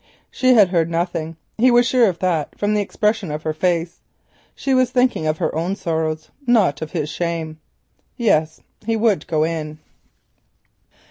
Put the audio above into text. She had heard nothing; he was sure of that from the expression of her face; she was thinking of her own sorrows, not of his shame. Yes, he would go in.